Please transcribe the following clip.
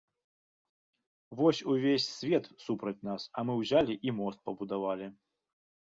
Вось увесь свет супраць нас, а мы ўзялі і мост пабудавалі.